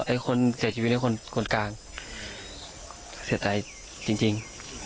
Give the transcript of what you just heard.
ไอ้คนเสียชีวิตให้คนคนกลางเสียใจจริงจริง